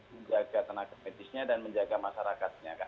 menjaga tenaga medisnya dan menjaga masyarakatnya